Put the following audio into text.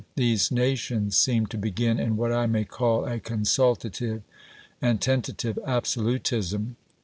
These nations seem to begin in what I may call a consultative and tentative absolutism.